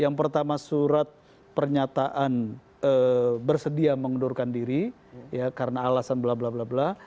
yang pertama surat pernyataan bersedia mengundurkan diri karena alasan blablabla